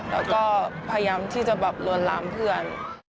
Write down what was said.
แล้วก็พยายามที่จะแบบลวนลามเพื่อน